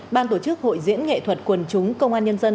ban tổ chức hội diễn nghệ thuật quần chúng công an nhân dân